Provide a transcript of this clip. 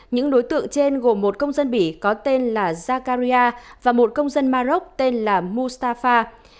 những đối tượng trên gồm một công dân bỉ có tên là jakarria và một công dân maroc tên là mustafa